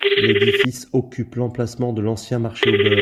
L'édifice occupe l'emplacement de l'ancien marché au beurre.